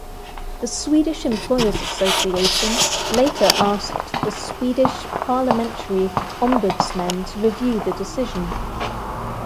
The Swedish Employers' Association later asked the Swedish Parliamentary Ombudsmen to review the decision.